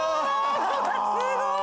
すごい！